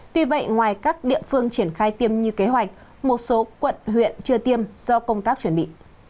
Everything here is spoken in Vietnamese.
tuy vậy ngoài các địa phương triển khai tiêm như kế hoạch một số quận huyện chưa tiêm do công tác chuẩn bị